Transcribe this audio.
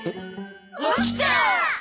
起きた！